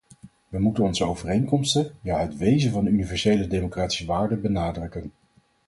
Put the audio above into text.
We moeten onze overeenkomsten, ja het wezen van de universele democratische waarden benadrukken.